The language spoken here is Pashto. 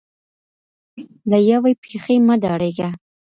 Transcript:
له یوې پیښې مه ډاریږه.